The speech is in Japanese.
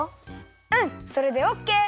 うんそれでオッケー！